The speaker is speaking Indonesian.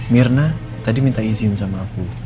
mirna tadi minta izin sama aku